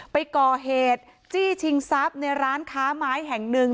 ไปก่อเหตุจี้ชิงทรัพย์ในร้านค้าไม้แห่งหนึ่ง